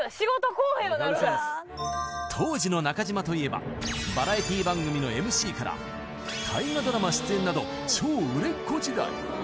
こうへんようなるから当時の中島といえばバラエティー番組のＭＣから大河ドラマ出演など超売れっ子時代